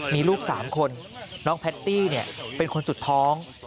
มีลูก๓คนน้องแพตตี้เป็นคนสุดท้อง